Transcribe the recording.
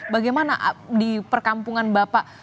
bagaimana di perkampungan bapak